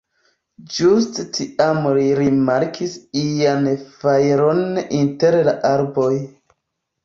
Ĝuste tiam li rimarkis ian fajron inter la arboj.